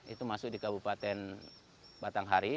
itu masuk di kabupaten batanghari